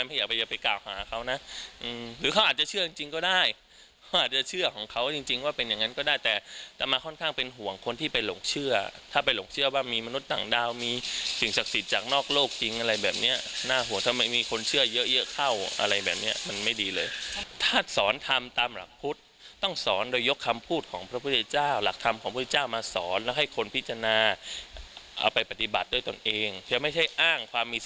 ไม่อยากไปไปกล่าวหาเขานะอืมหรือเขาอาจจะเชื่อจริงจริงก็ได้เขาอาจจะเชื่อของเขาจริงจริงว่าเป็นอย่างงั้นก็ได้แต่แต่มันค่อนข้างเป็นห่วงคนที่ไปหลงเชื่อถ้าไปหลงเชื่อว่ามีมนุษย์ต่างดาวมีสิ่งศักดิ์สิทธิ์จากนอกโลกจริงอะไรแบบเนี้ยน่าห่วงถ้าไม่มีคนเชื่อเยอะเยอะเข้าอะไรแบบเนี้ยมันไม